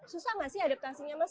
susah nggak sih adaptasinya mas